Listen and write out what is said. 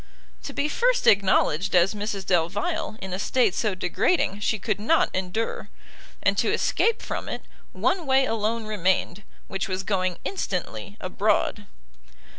To be first acknowledged as Mrs Delvile in a state so degrading, she could not endure; and to escape from it, one way alone remained, which was going instantly abroad.